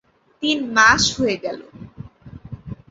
তিন মাস হয়ে গেল।